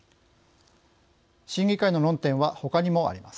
審議会の論点はほかにもあります。